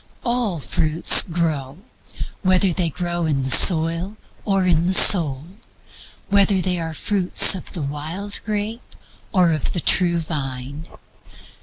All fruits grow whether they grow in the soil or in the soul; whether they are the fruits of the wild grape or of the True Vine.